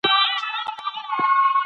ملا ته غږ وشو چې راپاڅېږه.